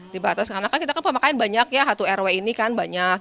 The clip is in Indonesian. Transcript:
dibatas karena kan kita pemakaian banyak ya satu rw ini kan banyak